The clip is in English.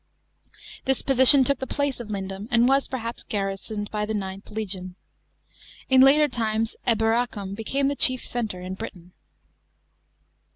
This position took the place of Lindum, and was, perhaps garrisoned by the IXth legion. In later times Elmracum became '.he chief centre in Britain.